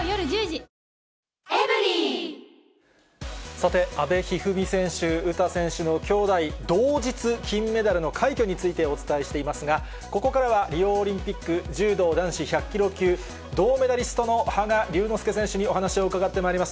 さて、阿部一二三選手、詩選手の兄妹同日金メダルの快挙について、お伝えしていますが、ここからはリオオリンピック柔道男子１００キロ級銅メダリストの羽賀龍之介選手にお話を伺ってまいります。